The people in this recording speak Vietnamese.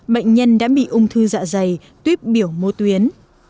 bệnh nhân đã bị ung thư dạ dày tuyếp biểu mô tuyến